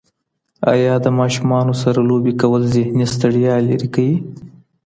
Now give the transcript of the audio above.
ایا د ماشومانو سره لوبي کول ذهني ستړیا لري کوي؟